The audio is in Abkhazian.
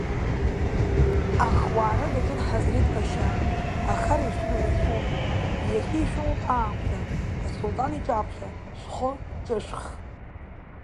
Ахуаара даҿын Ҳазреҭ-ԥашьа, ахара ишәыду рацәоуп, иахьа ишәымоуп аамҭа, Асулҭан иҿаԥхьа шәхы ҿышәх!